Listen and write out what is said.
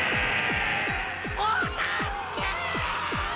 ・お助け！